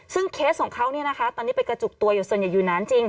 ซึ่งเคสของเขาตอนนี้ไปกระจุกตัวอยู่ส่วนใหญ่อยู่นานจริง